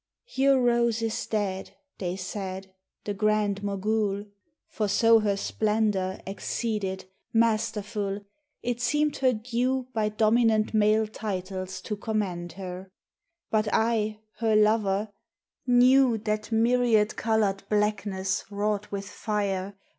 YOUR rose is dead , They said. The Grand Mogul — for so her splendour Exceeded, masterful, it seemed her due By dominant male titles to commend her : But I, her lover, knew That myriad coloured blackness, wrought with fire.